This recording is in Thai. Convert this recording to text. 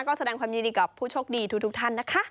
ก็แสดงความยินดีกับผู้โชคดีทุกท่านนะคะ